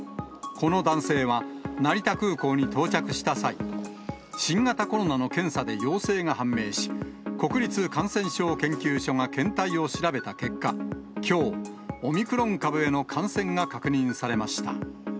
この男性は成田空港に到着した際、新型コロナの検査で陽性が判明し、国立感染症研究所が検体を調べた結果、きょう、オミクロン株への感染が確認されました。